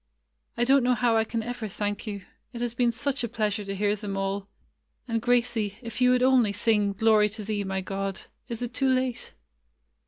"I don't know how I can ever thank you. It has been such a pleasure to hear them all. And Gracie, if you would only sing 'Glory to Thee, my God.' Is it too late?"